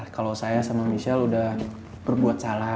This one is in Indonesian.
kalau saya sama michelle udah berbuat salah